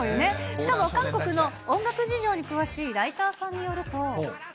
しかも韓国の音楽事情に詳しいライターさんによると。